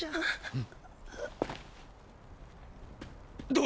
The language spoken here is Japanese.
うん。